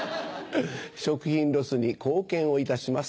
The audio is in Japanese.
食品ロスに貢献をいたします